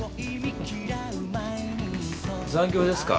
残業ですか？